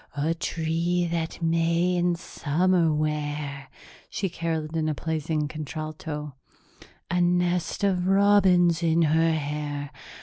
'A tree that may in summer wear,'" she caroled in a pleasing contralto, "'a nest of robins in her hair.'